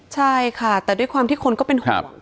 ใช่ค่ะแต่ด้วยความที่คนก็เป็นห่วง